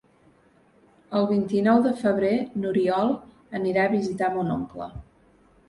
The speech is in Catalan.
El vint-i-nou de febrer n'Oriol anirà a visitar mon oncle.